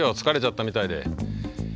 疲れちゃったみたいで。